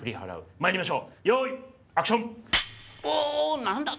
まいりましょうよいアクション！